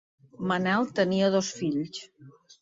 Manel tenia dos fills: